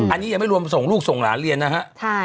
อันนี้ยังไม่รวมส่งลูกส่งหลานเรียนนะฮะ